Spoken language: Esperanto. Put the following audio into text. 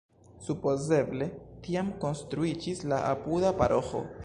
Supozeble tiam konstruiĝis la apuda paroĥo.